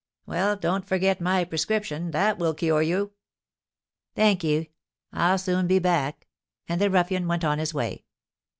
"Well, don't forget my prescription, that will cure you." "Thank ye, I'll soon be back." And the ruffian went on his way.